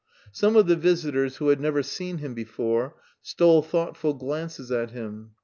Some of the visitors who had never seen him before stole thoughtful glances at him.